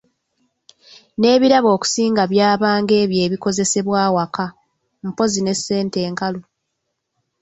N’ebirabo okusinga byabanga ebyo ebikozesebwa awaka, mpozzi ne ssente enkalu.